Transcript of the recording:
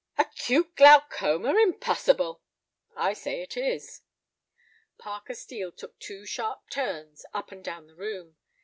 "Acute glaucoma! Impossible!" "I say it is." Parker Steel took two sharp turns up and down the room.